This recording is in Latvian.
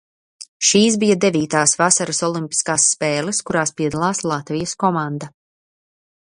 Šīs bija devītās vasaras olimpiskās spēles, kurās piedalās Latvijas komanda.